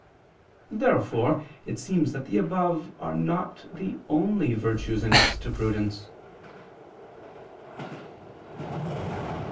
Therefore it seems that the above are not the only virtues annexed to prudence.